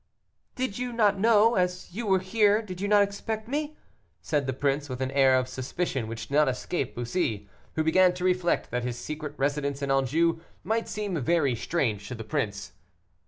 "Did you not know? As you are here, did you not expect me?" said the prince, with an air of suspicion which did not escape Bussy, who began to reflect that his secret residence in Anjou might seem very strange to the prince.